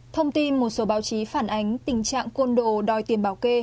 thông tin một số báo chí phản ánh tình trạng côn đồ đòi tiền bào kê